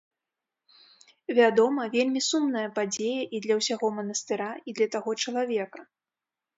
Вядома, вельмі сумная падзея і для ўсяго манастыра, і для таго чалавека.